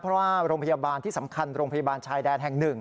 เพราะว่าโรงพยาบาลที่สำคัญโรงพยาบาลชายแดนแห่ง๑